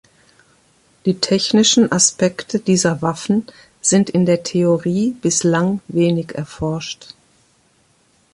Die technischen Aspekte dieser Waffen sind in der Theorie bislang wenig erforscht.